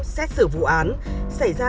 xét xử vụ án xảy ra